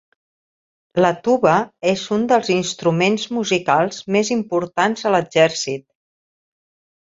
La tuba és un dels instruments musicals més importants a l'exèrcit.